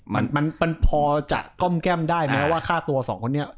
มันมันพอจะก้อมแก้มได้แม้ว่าค่าตัวสองคนนี้